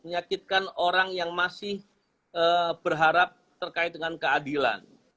menyakitkan orang yang masih berharap terkait dengan keadilan